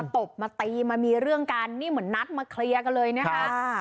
ตบมาตีมามีเรื่องกันนี่เหมือนนัดมาเคลียร์กันเลยนะคะ